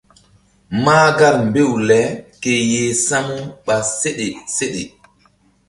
Mahgar mbew le ke yeh samu ɓa seɗe seɗe.